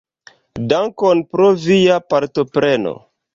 Dankon pro via partopreno.